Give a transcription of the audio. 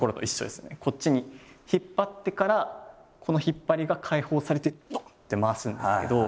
こっちに引っ張ってからこの引っ張りが解放されてドン！って回すんですけど。